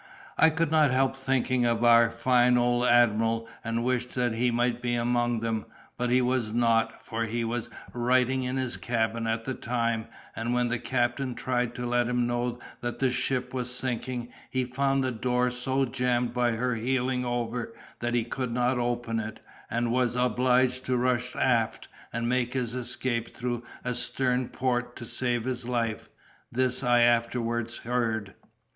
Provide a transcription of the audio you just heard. I could not help thinking of our fine old admiral, and wished that he might be among them; but he was not, for he was writing in his cabin at the time, and when the captain tried to let him know that the ship was sinking, he found the door so jammed by her heeling over that he could not open it, and was obliged to rush aft and make his escape through a stern port to save his life. This I afterwards heard.